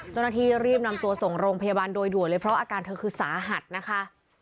เจ้าหน้าที่รีบนำตัวส่งโรงพยาบาลโดยด่วนเลยเพราะอาการเธอคือสาหัสนะคะ